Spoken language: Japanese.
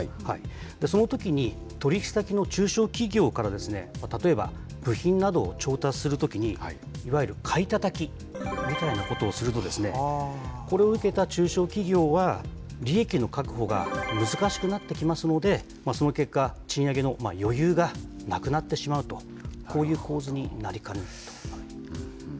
そのときに、取り引き先の中小企業から、例えば部品などを調達するときに、いわゆる買いたたきみたいなことをすると、これを受けた中小企業は、利益の確保が難しくなってきますので、その結果、賃上げの余裕がなくなってしまうと、こういう構図になりかねないと。